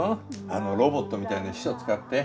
あのロボットみたいな秘書使って。